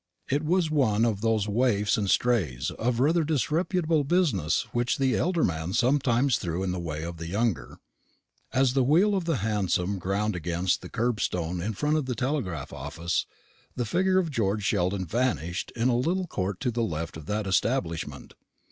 It was one of those waifs and strays of rather disreputable business which the elder man sometimes threw in the way of the younger. As the wheel of the hansom ground against the kerbstone in front of the telegraph office, the figure of George Sheldon vanished in a little court to the left of that establishment.